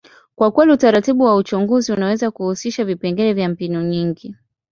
kwa kweli, utaratibu wa uchunguzi unaweza kuhusisha vipengele vya mbinu nyingi.